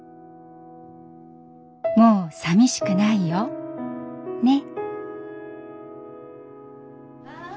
「もうさみしくないよネ！」。